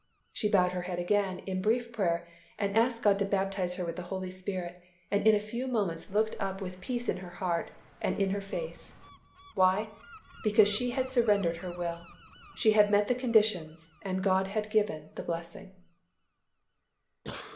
She bowed her head again in brief prayer and asked God to baptize her with the Holy Spirit and in a few moments looked up with peace in her heart and in her face. Why? Because she had surrendered her will. She had met the conditions and God had given the blessing.